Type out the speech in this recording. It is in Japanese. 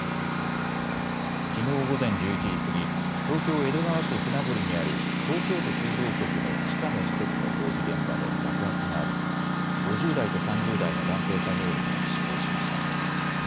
きのう午前１１時過ぎ、東京江戸川区船堀にある東京都水道局の地下の施設の工事現場で爆発があり５０代と３０代の男性作業員が死亡しました。